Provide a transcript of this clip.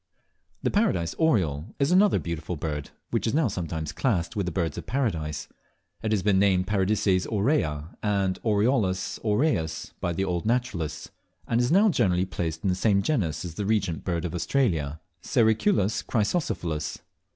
The Paradise Oriole is another beautiful bird, which is now sometimes classed with the Birds of Paradise. It has been named Paradises aurea and Oriolus aureus by the old naturalists, and is now generally placed in the same genus as the Regent Bird of Australia (Sericulus chrysocephalus).